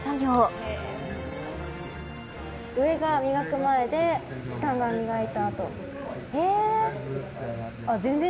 これが磨く前で下が磨いた後。